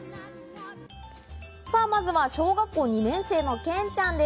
まずは小学校２年生のけんちゃんです。